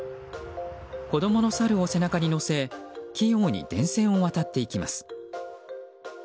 子供のサルを背中に乗せ器用に電線を渡っていきます。